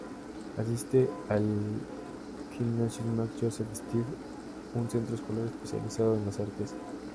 Asiste al Gymnasium Max-Josef-Stift, un centro escolar especializado en las artes.